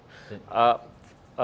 tadi anda sempat menyinggung soal minyak